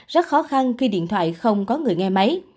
rất khó khăn khi điện thoại không có người nghe máy